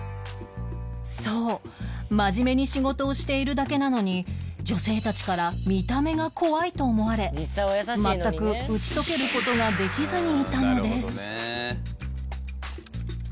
そう真面目に仕事をしているだけなのに女性たちから見た目が怖いと思われ全く打ち解ける事ができずにいたのです